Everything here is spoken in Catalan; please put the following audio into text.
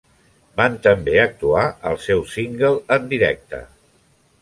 Van també actuar el seu single en directe.